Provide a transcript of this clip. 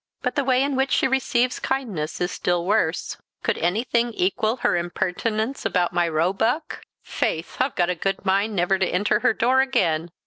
But the way in which she receives kindness is still worse. Could anything equal her impertinence about my roebuck? Faith, I've a good mind never to enter her door again!"